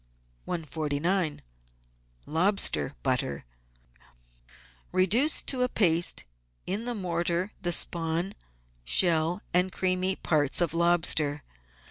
149— LOBSTER BUTTER Reduce to a paste in the mortar the spawn, shell, and creamy parts of lobster.